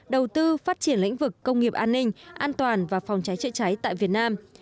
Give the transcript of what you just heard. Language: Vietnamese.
đầu tư phát triển lĩnh vực công nghiệp an ninh an toàn và phòng cháy chữa cháy tại việt nam